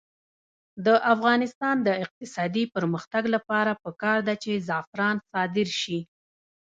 د افغانستان د اقتصادي پرمختګ لپاره پکار ده چې زعفران صادر شي.